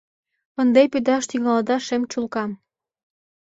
Ынде пидаш тӱҥалыда шем чулкам